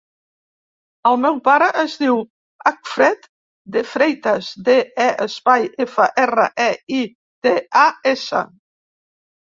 El meu pare es diu Acfred De Freitas: de, e, espai, efa, erra, e, i, te, a, essa.